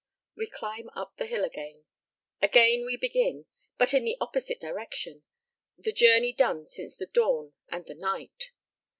We climb up the hill again. Again we begin, but in the opposite direction, the journey done since the dawn and the night.